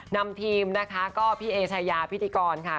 นำทีมนะคะก็พี่เอชายาพิธีกรค่ะ